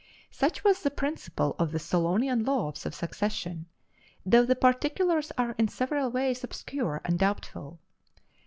Such was the principle of the Solonian laws of succession, though the particulars are in several ways obscure and doubtful.